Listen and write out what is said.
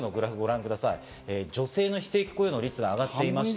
女性の非正規雇用の率が上がっています。